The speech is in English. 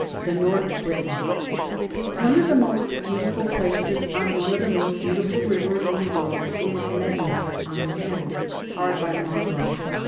THE "NORTH BRITON" [Sidenote: 1763 John Wilkes] One of the most beautiful places on one of the most beautiful rivers in the world is Medmenham on the Thames, hard by Marlow.